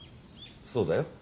そうだよ。